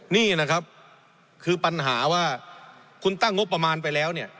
นี่นะครับคือปัญหาว่าคุณตั้งงบประมาณไปแล้วเนี่ย